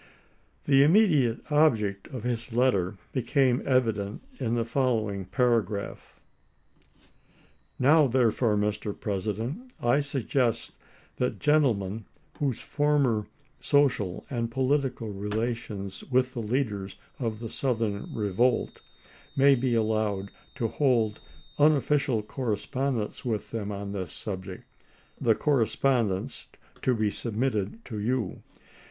The immediate object of his letter became evi dent in the following paragraph : Now, therefore, Mr. President, I suggest that gentle men whose former social and political relations with the leaders of the Southern revolt may be allowed to hold unofficial correspondence with them on this subject — the correspondence to be submitted to you.